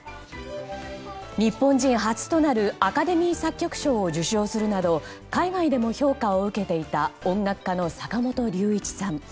日本人初となるアカデミー作曲賞を受賞するなど海外でも評価を受けていた音楽家の坂本龍一さん。